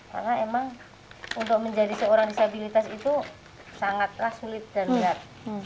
karena memang untuk menjadi seorang disabilitas itu sangatlah sulit dan benar